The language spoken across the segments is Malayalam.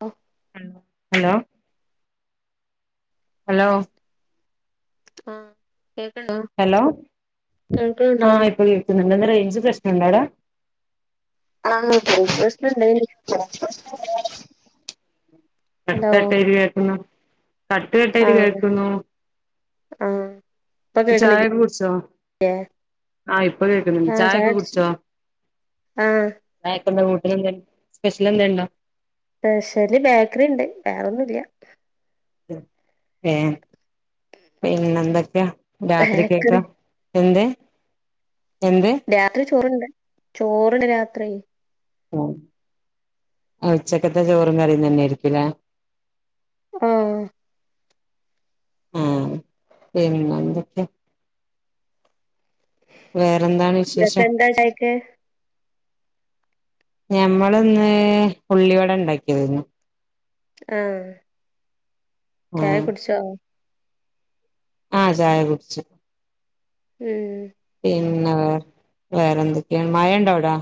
ഓ ഹലോ ഹലോ ആ ഹലോ കേൾക്ക്ണ്ടോ ആ ഇപ്പൊ കേൾക്കുന്നു ഒന്ന റേഞ്ച് പ്രശ്നംുണ്ടടാ ആ റേഞ്ച് പ്രശ് പണ്ടേനി കട്ടൊക്കായിട്ട് കേൾക്കുന്നു കട്ട് കട്ടായി ആഹ് കേൾക്കുന്നു ആഹ് ഇപ്പൊ ചായൊക്കെ കേൾക്ക്ണില്ലേ കുടിച്ചോ ആ ഇപ്പ കേൾക്കുന്നുണ്ട് ആഹ് ചായൊക്കെ ചായുടിച്ചു കുടിച്ചോ ആഹ് ചായകന്ത കൂ സ്പെഷ്യൽ എന്തേ ഉണ്ടോ സ്പെഷ്യല് ബേക്കറി ഉണ്ട് വേറെന്നുല്ല ഏ പിന്നെ എന്തൊക്കെയാ രാത്രി കേക്ക ബേക്കറി എന്ത് എന്ത് രാത്രി ചോറുണ്ട് ചോറിന് രാത്രി ഉച്ചക്കത്തെ ചോറും കറിയും തന്നെയിരികുലെ ആ ആ പിന്നെന്തൊക്ക രസണ്ടോ ചായക്ക് ഞമ്മൾ ഇന്ന് ഉള്ളിവട ഉണ്ടാക്കിയതേനു ആ ചായ കുടിച്ചോ ആ ചായ കുടിച്ച് ഉം പിന്നെ വേറെ വേറെന്തൊക്കെയാണ് മഴ ഇണ്ട അവിടെ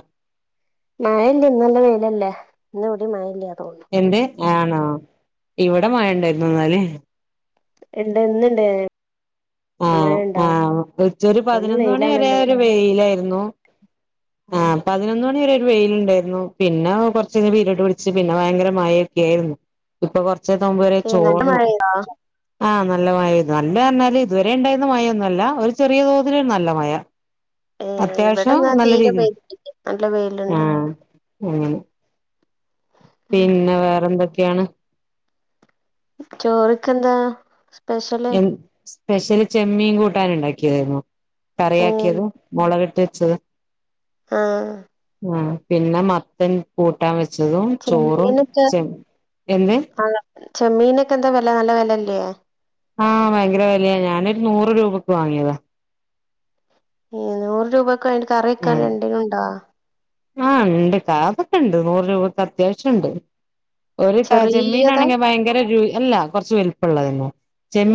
മഴല്ല്യ ഇന്നല്ല വെയിലല്ലേ ഇന്ന ഒവ്ടിം മഴ ഇല്ല എന്ത് ആണോ ഇവിടെ മഴണ്ടായിരുന്നു ന്നാല് ഇണ്ട് ഇന്നിണ്ടേനു ആ ആ വിളച്ചോര് ഇന്ന് പതിനൊന്ന് മണി വരെ വെയിലാണല്ലോ ഒരു ഇവടെ വെയിലാ ആ പതിനൊന്ന് മണിവരെ ഒരു വെയിലണ്ടായിരുന്നു പിന്നെ കുറച്ച വീരോട്ട് പിടിച്ച് പിന്നെ ഭയങ്കര മഴയൊക്ക ആയിരുന്നു ഇപ്പൊ കു ഉച്ച തോമ്പ് വരെ ഏഹ് നല്ല ചോർന്നു മഴെയ്തോ ആ നല്ല മഴ പെയ്തു നല്ല പറഞ്ഞാല് ഇതുവരെ ഉണ്ടായിരുന്ന മഴയൊന്നുമല്ല ഒരു ചെറിയ തോതിൽ നല്ല മഴ ഏഹ് അത്യാവശ്യം ഇവിടെന്നാ നല്ല തീരെ വെയിൽണ്ട് പെയ്തിട്ടില്ല നല്ല ആ വെയിലുണ്ട് ഏ ഉം പിന്നെ വേറൊന്തോക്കെ ക്കെയാണ് ചോറ്ക്കന്താ പെഷ്യല് പെഷ്യല് ചെമ്മീൻ കൂട്ടാന് ഇണ്ടാക്കിയതായിരുന്നു ഉം കറിയാക്കിയതും മുളകിട്ട് [unintelligible] ആ ആഹ് പിന്നെ മത്തൻ കൂട്ടാൻ വെച് ച്ചതും ചോറും ചെമ്മീനൊക്കെ ചെം എന്ത് ആഹ് ചെമ്മീനൊക്കെ എന്താ വെല നല്ല വേലല്ല്യേ ആഹ് ഭയങ്കര വെലയാ ഞാൻ നൊരു നൂറ് രൂപക്ക് വാങ്ങിയതാ. ഏ നൂറ് രൂപക് [unintelligible] കറി വെക്കാൻ ഉം രണ്ടിനുണ്ടോ ആഹ് ഇണ്ട് [unintelligible] അതൊക്കെണ്ട് നൂറ് രൂപക്കത്യാവശ്യണ്ട് ഒരു ട്ടാ ചെറിയതാ ചെമ്മീനാണെങ്കി ഭയങ്കര രു അല്ല കൊറച്ച് വലുപ്പള്ളതന്നെ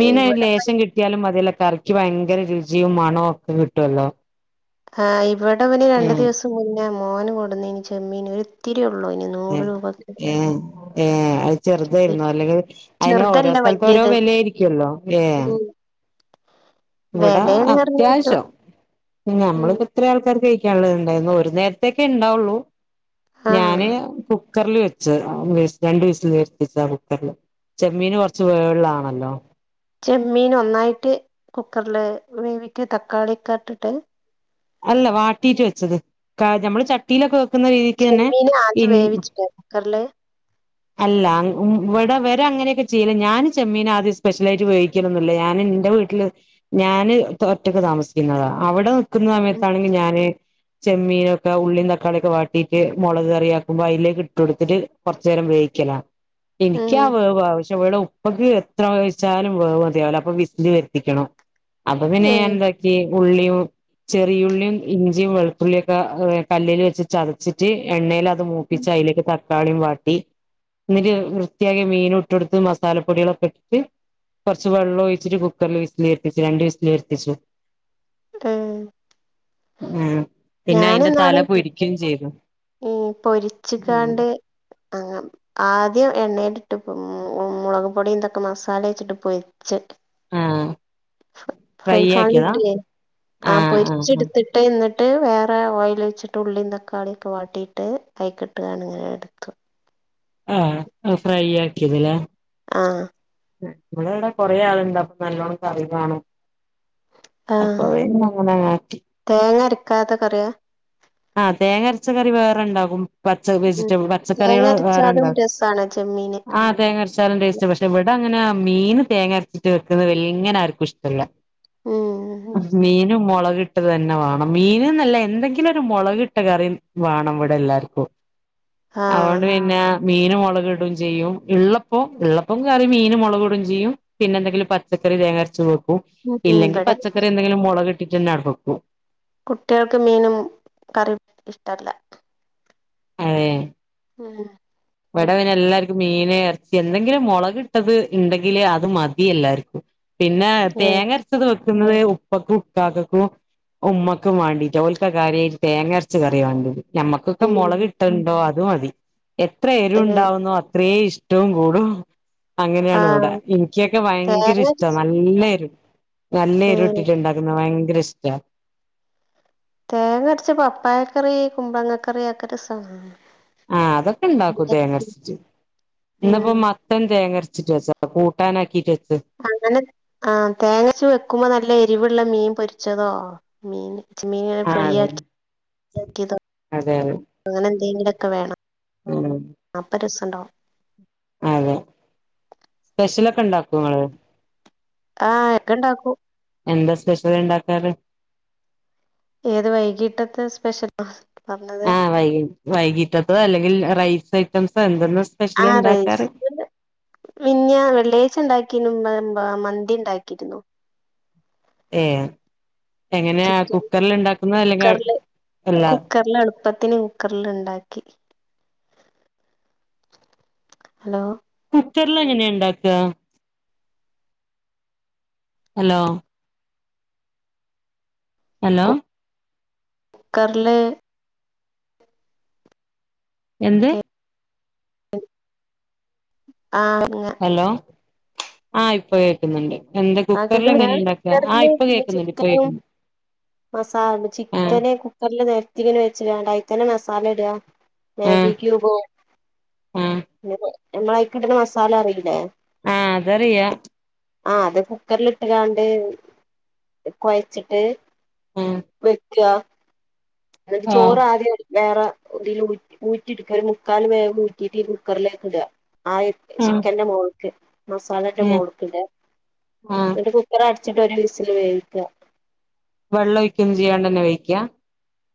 ഏഹ് ഇവിടെ ലേശം കിട്ട്യാലും മതിയല്ലോ കറിക്ക് ഭയങ്കര രുചിയും മണോ ഒക്കെ കിട്ടുവല്ലോ ആഹ് ഇവടിവന് രണ്ട് ദിവസം മുൻ ഞാ മോന് കൊടുന്നീനി ചെമ്മീന് ഒരിത്തിര് രിയൊള്ളു അയിന് നൂറ് രൂപക്ക് ഏ അയ് ചെറുതായിരുന്നു അല്ലെങ്കി അയിന് ഓരോ ചെറുതല്ല സ്ഥലത്ത് ഓരോ വല്യത് വെലേയിരിക്കൂല്ലോ ഏ ഉം ഇവടെ വെലേണ് പറഞ്ഞ് കേട്ടു അത്യാവശ്യൊ ഉം ഞമ്മളിപ്പോ ഇത്രേ ആൾക്കാര് കഴി ക്കാള്ളത്ണ്ടായിരുന്നു ഒരു നേരത്തേക്കേ ഇണ്ടാവൊള്ളൂ ആഹ് ഞാന് കു ക്കറില് വെച്ച് [unintelligible] രണ്ട് വിസില് വെര്ത്തിച്ചാ കുക്കറില് ചെമ്മീന് കൊറച്ച് വേവ്ള്ളാണല്ലോ ചെമ്മീന് ഒന്നായിട്ട് കുക്കറില് വേവിക്ക് തക്കാളിയൊക്കട്ടിട്ട് അല്ല വാട്ടീട്ട് വെച്ചത് കാ ഞമ്മള് ചട്ടീലൊക്കെ വെക് ചെമ്മീന് ആദ്യം വേവിച്ചൂലേ കുക്കറില് അല്ല അങ്ങ് ഉം ഇവടവര് അങ്ങനെക്കെ ചെയ്യല് ഞാന് ചെമ്മീനാദ്യം സ്പെഷ്യലായിറ്റ് വേവിക്കലൊന്നുല്ല ഞാനെന്റെ വീട്ടില് ഞാന് തൊ ഒറ്റക്ക് താമസിക്കുന്നതാ അവടെ വെക് ക്കുന്ന സമയത്താണെങ്കി ഞാൻ ചെമ്മീനൊക്കെ ഉള്ളിം തക്കാളിയൊക്കെ വാട്ടിറ്റ് മൊളക് കറിയാക്കുമ്പോ അയിലേക്ക് ഇട്ടൊട്ത്തിട്ട് കൊർച്ചെരം വേയിക്കലാ എനിക്ക്യാ ഉം വേവ് ആവ ക്ഷേ ഇവടെ ഉപ്പക്ക് എത്ര വേവിച്ചാലും വേവ് മതിയാവുലാ അപ്പം വിസ്ൽ വെര്ത്തിക്കണം അപ്പൊ പിന്നെ ഏഹ് ഞാൻന്താക്കീ ഉള്ളിയു ചെറിയുള്ളീം ഇഞ്ചിയും വെളുത്തുള്ളിയൊക്ക വേ കല്ലേല് വെച്ച് ചതച്ചിട്ട് എണ്ണേലത് മൂപ്പിച്ചയിലേക്ക് തക് ക്കാളിയും വാട്ടി എന്നിട്ട് വൃത്തിയാക്കിയ മീനൂട്ടൊടുത്ത് മസാലപ്പൊടികളൊക്കിട്ട് കൊറച്ച് വെള്ളോഴിച്ചിട്ട് കുക്കറില് വിസ്ൽ വര്ത്തിച്ച് രണ്ട് വിസില് വര്ത്തിച്ചു ആഹ് ഏ പിന്നയിന്റെ തല പൊരിക്കും ചെയ്തു ഓ പൊരിച്ച് കാണ്ട് ആഹ് ആദ് ദ്യം എണ്ണേലിട്ട് പൊ മു മുളക് പൊടീന്തൊക്കെ മസാലേച്ചിട്ട് പൊരി ആഹ് ഫ്രൈ ഫ കിട്ടേ ആ ആഹ് ആഹ് പൊരിച്ചെടുത്തിട്ടേ എന്നിട്ട് ട്ട് വേറെ ഓയിൽ വെച്ചിട്ട് ഉള്ളീും തക്കാളി െ വാട്ടിയിട്ട് കൈക്കിട്ടുകണിങ്ങനെ എടുത്തു ആഹ ഫ്രൈ ആക്കിയത്ല്ല ആഹ നമ്മടെ ഇവിടെ കൊറെേ ആളുണ്ട് അപ്പൊ നല്ലോണംക്ക് അറിവാണ്ോ ആഹ ആക്കി തേങ്ങര ക്കത്തൊക്കറിയ ആ് തേങ്ങരച്ച കറി വേറെണ്ടാകും പച്ച ഉം വെജിറ്റബിൾ തേങ്ങ പച്ചക്കറികൾ അരച്ചാലും വേറെണ്ടോ രസാണ് ചെമ്മീന് ആഹ തേങ്ങരടച്ചാലും ടേസ്റ്റ് പക്ഷെവിട അങ്ങനെ മീൻ തേങ്ങ അരച്ചിട്ട് വെക്കുന്നത് എെങ്ങനെ ആർക്കും ഇഷ്ടമല്ല ഉം മീൻ മുളകിട്ട് തന്നെ വേണം മീന നല്ല എന്തെങ്കിലും മുളക്കിട്ട കറി വേണം ഇവിടെ എല്ലാർക്കും ആഹ് അതൊണ്ട് പിന്നെ മീൻ മുളകക് ഇടും ചെയ്യും ഉള്ളപ്പോം ഉള്ളപ്പം കയറി മീനന് മുളക ഇടയും ചെയ്യും പിന്നെ എന്തെങ്കിലും പച്ചക്കറി തേങ്ങ അരച്ച പോക്കും അ ഉം ഇല്ലെങ്കിൽ ഇവിടെ പച്ചക്കറി എന്തെങ്കിലും മുളകിട്ട കിചൻ ആടക്കും കുട്ടികൾക്ക് മീനും കറിയും ഇഷ്ടല്ല ആഹ ആഹ ഇവിടെ പിനെ എല്ലാർക്കും മീന ഇറച്ചി എന്തെങ്കിലും മുളക്ിട്ടത് ഉണ്ടെങ്കില് അത് മതി എല്ലാർക്കും പിന്നെ ഉം തേങ്ങ അരച്ചത് വെ ുന്നത് ഉപ്പക്കും ഉക്കാക്കക്കും ഉമ്മക്കും വേണ്ടിട്ട് ഓലക്ക കാര്യമായിട്ട് തേങ്ങ അരച്ച കറി വേണ്ടി് ഞമ്മക്കൊക്കെ മുളക് ഉം കിട്ടണ്ടോ അ അത മതി എത്ര എരു ഏഹ് ഉണ്ടാാവുന്നു അത്രേ ഇഷ്ടം വും കൂട് [unintelligible] അങ്ങനെയണ് ഇവിടെ ആഹ് എനിക്കൊക്കെ ഭയങ്കര തേങ്ങ ഇഷ്ട നല്ലായിരുന്നു നല്ല ഉം ഇരുട്ടിട്ട് ഇണ്ടാക്കുന്ന ഭയങ്ക ങ്കരഷ്ടാ തേങ്ങ അടിച്ചപ്പ പപ്പായക്കറി കുമ്പളങ്ങക്കറിയ ഒക്കെ രസ ആ അതൊക്കെ ഉണ്ടാക്കൂ തേങ്ങരച്ചിട്ട് ഉം ഇന്നിപ്പോ മത്തൻ തേങ്ങര ച്ചിട്ട് വെച്ച കൂട്ടാനാക്കി അങ്ങനെ ആ തേങ്ങച്ച വെക്കുമ്പോ നല്ല എ രിവുള്ള മീൻ പൊരിച്ചതോ മീന് ച്ച്മീനിങ്ങനെ ആഹ് അതന്നെ ഫ്രൈയാക്കി അതെ അതെ അങ്ങനെ എന്തെങ്കിലും ഒക്കെ വേണം ഉം അപ്പം രസം കണ്ടോ ക്ക്ണ്ടാക്കുവേങ്ങള് ആഹ് എഗ്ഗ് ണ്ടാക്കൂ എന്താ സ്പെഷ്യൽ ഇണ്ടാക്കാറ് ഏത് വൈകിട്ടത്തെ സ്പെഷ്യലാ ആ വൈക വൈകിട്ടത്ത അല്ലെങ്കി രാ റൈസ് ഐറ്റംസ് [unintelligible] ആറേസ് [unintelligible] പിന്ന വെള്ളിയാഴ്ച്ച ഉണ്ടാ ക്കീനു മ മന്തിണ്ടാക്കിരുന്നു ഏ എങ്ങനെയാ ചിക്കൻ കുക്കറില് ഉണ്ടാക്കുന്ന അല്ലെങ്കി കുക്കറില് [unintelligible] അല്ലാ കുക്കറില് എളുപ്പത്തിന് കുക്കറില് ഇണ്ടാക്കി ഹലോ കുക്കറില് എങ്ങനെയണ്ടാക്കുക ഹലോ ഹലോ കുക്കറില് എന്ത് [unintelligible] ആ അങ്ങ ആ ഇപ്പൊ കേക്കുന്നുണ്ട് [unintelligible] കേൾക്കുന്നുണ്ട് ഇപ്പൊ ചിക്കനും കേൾക്കുന്നുണ്ട് മസാലയും ആഹ് ചിക്കന് കുക്കറിൽ നിർത്തി വെച്ച് ണ്ടാണ്ട് അതി തന്നെ മസാ സാലയിടുക ആഹ് മാഗി ക്യൂബും ആഹ് [unintelligible] നമ്മള അയിക്കിട്ടുന്ന മസാല അറിയില്ലേ ആ അതറിയാ ആഹ അതൊക്കെ കുക്കറൽിട്ട്ആണ്ട് കുഴച്ചിട്ടു ആ [unintelligible] [unintelligible] എന്നിട്ട് ചോറ് ആദിയം അങ്ങ് എടുക്കും വേറെ ഊറ്റിടുക്ക ഒരു മുക്കാല് വേഗ് ഊറ്റിട്ട കുക്കറിലേക്ക് ഇട ആ ചിക്കന്റെ മോഴക്ക് മസാലന്റെ ആഹ് മോഴക്ക്ന്റെ ആഹ് എന്നിട്ട് കുക്കറ വച്ചിട്ട ലിസിൽ വേവിക്കുക വെള്ളം ഒഴിക്കും ചെയ്യാണ്ടന്നെ വഴിക്കാ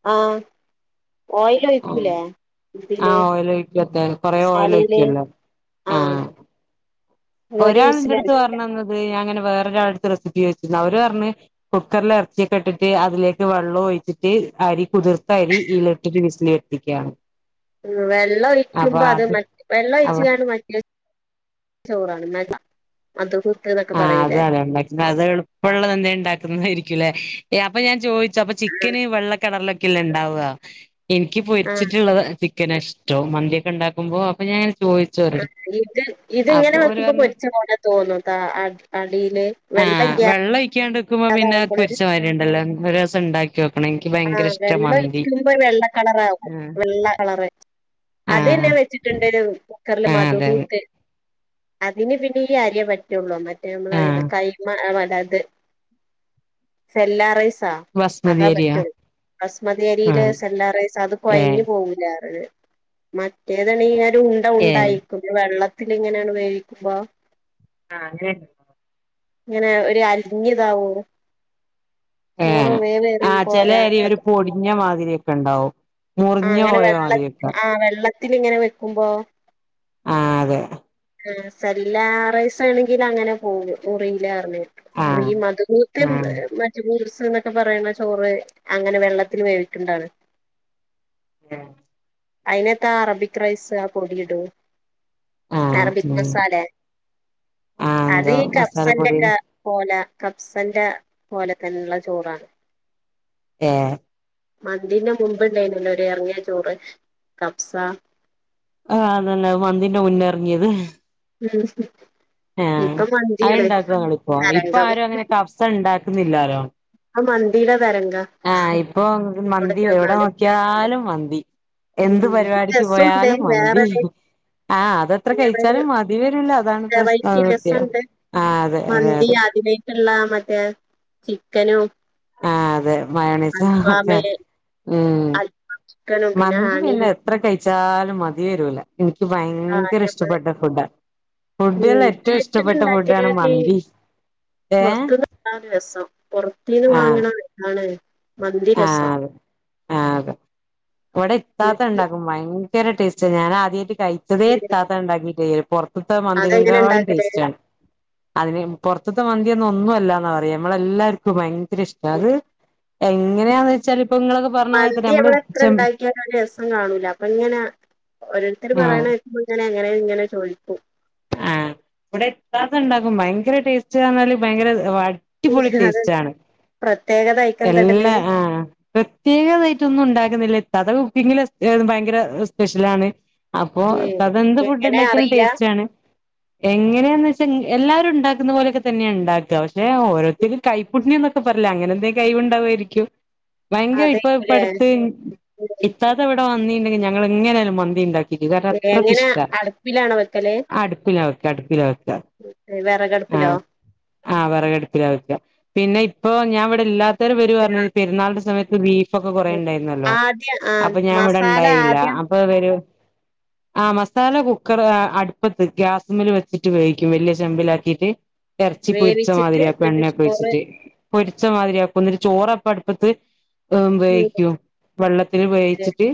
ആ ഓയിൽ ആ ഒഴിക്കൂലേ ആ ഇതില് ഓയിൽ ഒഴക്കത്തേ കൊറെ ഓയിൽ മസാലയില് ഒഴക്കല്ലോ ആ ആഹ ഒരു ഒരാൾ വിസിൽ എന്റെറ അടുത്ത് അടക്കുക പറഞ്ഞ തന്ന ഞങ്ങനെ വേറൊ ഒരാടുത്ത് റെസിപ്പി ചോദിച്ചിരുന്നു അവര് പറഞ്ഞ് കുക്കറൽ ഇറച്ചിയൊക്കെ ഇട്ടിട്ട് അതിലേക്ക് വെള്ളം ഒഴിച്ചിട്ട് അരി കുതിർത്ത അരി ഇട്ട് വിസില എത്തിക്കുകയാണ് ഉ വെള്ളം ഒഴിക്കുമ്പോ അത് മ വെള്ളം അപ്പൊ ഒഴിച്ചാണ് മറ്റ ചോറാണ് മ മദ്ഹൂത്ത് ആഹ അതല്ലേ ഉണ്ടാക്കുന്നത് അത് എളുപ്പമുള്ളത് എന്താ ഉണ്ടാക്കുന്നതായിരിക്കുംല്ലേ അപ്പം ഞാൻ ചോദിച്ചു ചെലപ്പൊ ചിക്കന് വെള്ളം കളറി ക്കല ഉണ്ടാവു എനിക്ക് ആ പൊരിച്ചിട്ടുള്ളത് ഇഷ്ടോ മന്തിക്കെ ഉണ്ടാക്കുമ്പോ അപ്പൊ ഞാൻ ചോദിച്ചു ആ അവരടുത്ത് ഇത് ഇത് ഇങ്ങനെ വെക്കുമ്പോ പൊരിച്ച പോലെ തോന്നൂട്ടാ ആഹ വെള്ളം ഒഴിക്കാണ്ട് വക്കുമ്പോ പിന്നെ ഇല്ലാതാവുമ്പോളേ പൊരിച്ചമാതിരി ഉണ്ടല്ലോ ഒരു ദിവസം ഉണ്ടാക്കി നോക്കണം എനിക്ക് ആ ഭയങ്കര ഇഷ്ട വെള്ളം മന്തി ഓയിക്കുമ്പോ വെള്ള കളറ ആവും ആഹ് വെള്ള കളർ അത് അതെയോ? നാൻ വെച്ചിട്ടുണ്ട് കുക്കറിൽ ആഹ് അതെ അതെ മധുഹൂത്ത് അതിന് പിന്നെ അരിയെ പറ്റുള്ളൂ മറ്റേ- നമ്മള കൈയിലെ ആഹ് കൈമ - സെല്ലറസ് ബസ്മതി അതാ അരിയാ പ ബസ്മതി അരിയില് ആഹ് സെല്ലാറസ് അത് ഏഹ് കുഴഞ്ഞഞ് പോവില്ല മറ്റേതാണ് ഉണ്ട ഏഹ് ഉണ്ടായിരിക്കുന്നു വെള്ളത്തി പിന്നെ എങ്ങനെയാണ് വേവിക്കുമ്പാ ആ അങ്ങനെയെന്നെ ഇങ്ങനെ ഒര് അലിഞ്ഞ് ഇതാവു ചോറ് വേവ് ഏറി ചെലെ അരി ഒര് പൊടിഞ്ഞ മാതിരി കേക്ക് ഇണ്ടാവും മുറിഞ്ഞ് പോയ മതിരി ഒക്കെ ത്തിൽ ഇങ്ങനെ വെക്കുമ്പോ ആ അതെ ആ സരില്ലാ റൈസ് ആണെങ്കിൽ അങ്ങനെ പോകും മുറിലാ പർഞ്ഞ് അല്ല ആഹ് ഈ മത്ബുത്ത് ആഹ് മജ്ബൂസ് സ് ന്നൊക്കെ പറിണെ ചോറ് അങ്ങനെ വെള്ളത്തില് വേവിക്ക്ണ്ടാണ് ഏ അയിനെത്താ അറബിക് റൈസ് ആ പൊടിയിടും ആഹ് അറബിക് ഉം മസാല ആഹ് അത് എന്തോ ഈ കഫ്സന്റെ മസാലപ്പൊടിയും ക്കെ പോലെ- കബ്സന്റെ പോലെ തന്നെയുള്ള ചോറാണ്- ഏഹ്- മന്തിന്ന് മുമ്പുണ്ടായിനുല്- എറങ്ങിയ ചോറ് കഫ്സ- ആഹ് അതന്നെ മന്തിന്റെ മുന്ന്റങ്ങിയത്- [unintelligible] ആഹ് ഇപ്പൊ മന്തിയാണ് അത്ണ്ടാക്കുവോ ഇങ്ങളിപ്പോ ഇപ്പൊ തരംഗം ആരും അങ്ങനെ കഫ്സ ഉണ്ട ക്കുന്നില്ലാലോ? ഇപ്പ മന്തിടെ- ആഹ് ഇപ്പൊ മന്തി എവിടെ ചെന്നാലും നോക്കിയാലും മന്തി- ന്തി- എന്ത് ഉം പരിപാടിക്ക് രസമുണ്ട് പോയാലും മന്തി വേറൊരു ആഹ് അതെത്ര വേറൊരു കഴിച്ചാലും മതി വരൂല്ല അതാണ് വെറൈറ്റി പ്രശ്നംത്യം രസമുണ്ട് ആഹ് അതെ അതെ മന്തി അതെ- ക്കനും- ആഹ് അതെ- മയണൈസാ അതേ ഉം- അൽക്കനും മന്തി ഹണി പിന്നെ എത്ര കഴി ച്ചാലും മതി വരൂല- എനിക്ക് ആഹ് ഭയങ്കര ഞമ്മള് ഇഷ്ടപ്പെട്ട ഫുഡാ ഫുഡിൽ ഉം ഏറ്റവും വീട്ടില് ഇഷ്ടപ്പെട്ട ഫുഡാണ് ഉണ്ടാക്കിയനാത്തി മന്തി ഏഹ് പുറത്തുന്ന് വാങ്ങുന്ന രസം പുറത്തീന്ന് ആഹ് വാങ്ങണ ഇതാണ് ആഹ് അതെ ആഹ് അതെ ഇവിടെ ഇത്താത്ത ഇണ്ടാക്കും ഭയ യകര ടേസ്റ്റ ഞാൻ ആദ്യയിട്ട് കഴിച്ചതേ ഇത്താത്ത ഉണ്ടാക്കിട്ടാ പുറത്തെ അതെങ്ങനെ മന്തിനെങ്കായും ഉണ്ടാക്കല് ടേസ്റ്റാണ് അതിന് പുറത്ത് മന്തിയൊന്നും ഒന്നുവല്ലാന്ന പറയാ നമ്മള് എല്ലാർക്കും ഭയ കര ഇഷടത് എ എങ്ങനെയാന്ന് വെച്ചാൽ ഇപ്പൊ നിങ്ങളൊക്കെ പറഞ്ഞ മാതിരി തന്നെ മന്തി നമ്മള് എത്ര ചെ ഇണ്ടാക്കിയാലും ഒരു രസം കാണൂല അപ്പൊ ഇങ്ങനെ ഒരു ൾക്കാർ ആഹ് പറയണ കേൾക്കുമ്പോ ഇങ്ങ അങ്ങനെ ഇങ്ങനെ ചോദിക്കും ആഹ് ഇവിടെ ഇത്താത്ത ഇണ്ടാക്കും ഭയങ്കര ടേസ്റ്റ്ഞ്ഞാല് ഭയങ്കര വ അടിപൊളി അത് ടേസ്റ്റാണ് പ്രത്യേകത അയിക്കെന്താ ഇടല് എല്ലാ ആഹ് പ്രത്യേകതായിട്ടൊന്നും ഉണ്ടാക്കുന്നില്ല സാധാ കുക്കിങ്ങില് ഭയങ്കര സ്പെഷ്യലാണ് അപ്പൊ ഉം ത്താത്തെ എന്ത് ഫുഡ് എങ്ങനെ ഉണ്ടാക്കിയാലും അറിയില്ല ടേസ്റ്റാണ് എങ്ങനെയാന്ന് വെച്ചാ എല്ലാവരും ഇണ്ടാക്കുന്ന പോലെയൊക്കെ തന്നെയാ ഇണ്ടാക്കുക പക്ഷെ ഓരോത്തർക്ക് കൈപ്പുട്ടണിന്നൊക്കെ പറില്ലേ അങ്ങനെ എന്തേലും കയിവുണ്ടേരിക്കും ഭയങ്കര ഇപ്പൊ ഇപ്പ അടുത്ത് അതേക്കുലേ ഇത്താത്ത ഇവിടെ വ നീ ഇണ്ടെങ്കി ഞങ്ങൾ എങ്ങനായാലും മന്തി ഇണ്ടാ എങ്ങനെ അടുപ്പിലാണോ വെക്കല് അടുപ്പിലാ വെക്കാ, അടുപ്പിലാ വെക്കാ, ആ വിറകടുപ്പിലോ ആ വെറകടുപ്പിലാ വെക്കാ, പിന്നെ ഇപ്പ ഞാ ഇവടെ ഇല്ലാ ത്തര് ഇവര് പറഞ്ഞ് പെരുന്നാളിന്റെ സമയത്ത് ബീഫൊക്കെ കൊറേ ഇണ്ടായിരുന്നല്ലോ, ആദ്യം ആ അപ്പൊ ഞാൻ മസാല ഇവടെണ്ടായില്ല ആദ്യം അപ്പൊ ഇവര് ആഹ് മസാല കുക്കറ് അടു ഇപ്പ ഗ്യാസിമ്മല് വെച്ചിട്ട് വേവിക്കും വലിയ ചെമ്പിലാക്കീട്ട് എറച്ചി പൊരിച്ച വേവിച്ചിട്ട് മാതിരിയാക്കും എന്നിട്ട് എണ്ണയൊക്കെ ചോറ് ഒഴിച്ചിട്ട്. പൊരിച്ച മാതിരിയാക്കും എന്നിട്ട് ചോറപ്പ അടുപ്പത്ത് ഏ വേവിക്കും വെള്ളത്തില് വേവിച്ചിട്ട്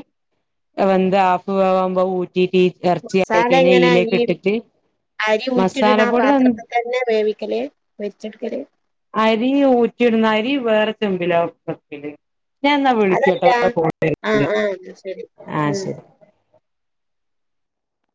വെന്ത് ആഫ് വേവാവുമ്പോ ഊ റ്റിട്ട് ഈ എറച്ചി ആയി മസാല കഴിഞ്ഞാ എങ്ങനെ ഈയിലേക്ക് ഈ റ്റിട്ട് അരി മസാല ഊറ്റിടണ ആ പൊടി പാത്രത്തിൽ [unintelligible] തന്നെ വേവിക്കല് പൊരിച്ചെടുക്കല് അരി ഊറ്റിടുന്ന അരി വേറെ ചെമ്പിലാ വെക്കല് ഞാൻ എന്നാ അതല്ല വിളിക്കട്ടെ ആ [unintelligible] ആ ശരി ആഹ് ഉം ശെരി